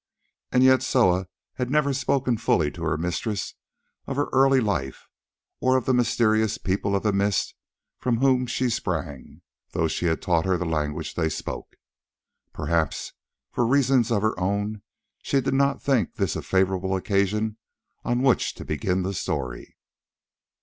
As yet Soa had never spoken fully to her mistress of her early life or of the mysterious People of the Mist from whom she sprang, though she had taught her the language they spoke. Perhaps, for reasons of her own, she did not think this a favourable occasion on which to begin the story.